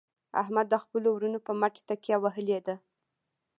احمد د خپلو ورڼو په مټ تکیه وهلې ده.